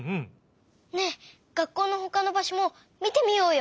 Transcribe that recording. ねえ学校のほかのばしょもみてみようよ！